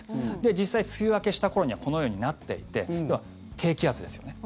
実際、梅雨明けした頃にはこのようになっていて要は低気圧ですよね。